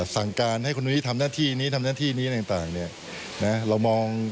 สั่งการให้คนนี้ทำน่าที่นี้ทำน่าที่นี้ตั้งแต่ง